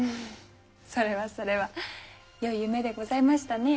それはそれはよい夢でございましたねぇ。